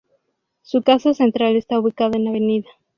Su casa central está ubicada en Av.